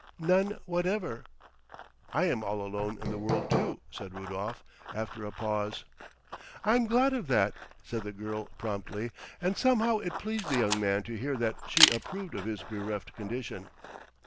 "None whatever." "I am all alone in the world, too," said Rudolf, after a pause. "I am glad of that," said the girl, promptly; and somehow it pleased the young man to hear that she approved of his bereft condition.